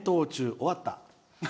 終わった。